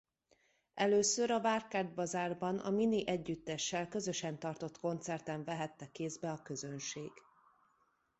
Először a Várkert Bazárban a Mini együttessel közösen tartott koncerten vehette kézbe a közönség.